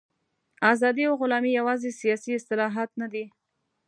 ازادي او غلامي یوازې سیاسي اصطلاحات نه دي.